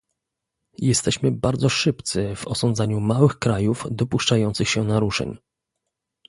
Jesteśmy bardzo szybcy w osądzaniu małych krajów dopuszczających się naruszeń